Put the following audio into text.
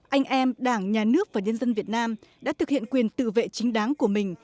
anh em đảng nhà nước và nhân dân việt nam đã thực hiện quyền tự vệ chính đáng của mình